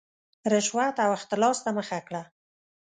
رشوت او اختلاس ته مخه کړه.